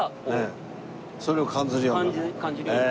それを感じるように？